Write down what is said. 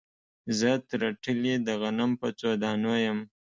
زه ترټلي د غنم په څو دانو یم